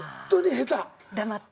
黙って。